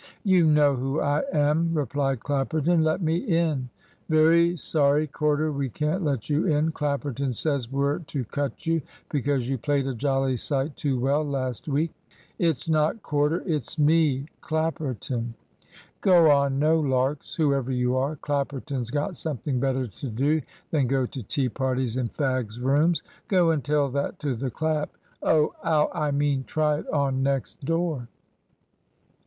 "You know who I am," replied Clapperton. "Let me in!" "Very sorry, Corder, we can't let you in. Clapperton says we're to cut you, because you played a jolly sight too well last week." "It's not Corder, it's me Clapperton." "Go on! no larks, whoever you are. Clapperton's got something better to do than go to tea parties in fags' rooms. Go and tell that to the Clap Oh! ow! I mean, try it on next door!"